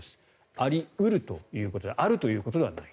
あり得るということであるということではない。